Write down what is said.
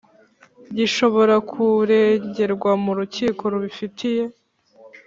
gishobora kuregerwa mu rukiko rubifitiye